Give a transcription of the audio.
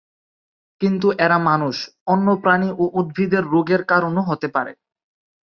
কিন্তু এরা মানুষ, অন্য প্রাণী ও উদ্ভিদের রোগের কারণও হতে পারে।